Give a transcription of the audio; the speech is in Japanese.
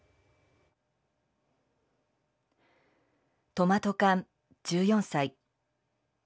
トマト缶１４歳。